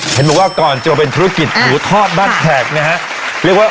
เห็นมึงว่าก่อนเจอเป็นธุรกิจหมูทอดบ้านแขกเนี้ยฮะ